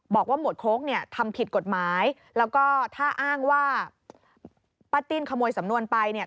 หมวดโค้กเนี่ยทำผิดกฎหมายแล้วก็ถ้าอ้างว่าป้าติ้นขโมยสำนวนไปเนี่ย